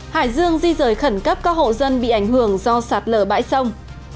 hải dương di rời khẩn cấp các hộ dân bị ảnh hưởng do sạt lở bãi sông